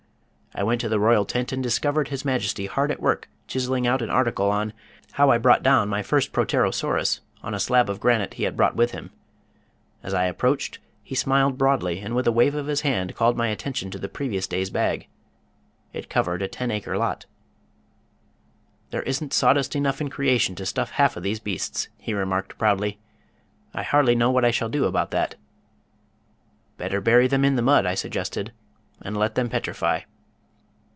I went to the royal tent and discovered His Majesty hard at work chiseling out an article on "How I Brought Down My First Proterosaurus" on a slab of granite he had brought with him. As I approached he smiled broadly, and with a wave of his hand called my attention to the previous day's bag. It covered a ten acre lot. "There isn't sawdust enough in creation to stuff half of these beasts," he remarked proudly. "I hardly know what I shall do about that." "Better bury them in the mud," I suggested, "and let them petrify."